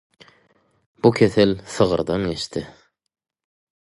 Bu kesel sygyrdan geçdi.